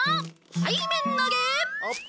背面投げ。